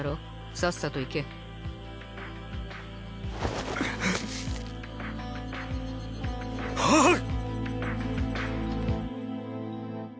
さっさと行けははっ！